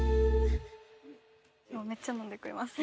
めっちゃ飲んでくれますね。